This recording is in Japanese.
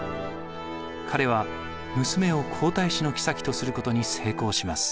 彼は娘を皇太子の后とすることに成功します。